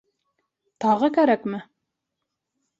Тағы кәрәкме?!